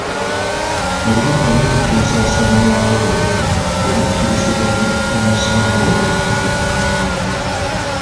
Buli ludda lwettikka ensasaanya yalwo bwe mu kiriziganya mu musango mu kukkaanya.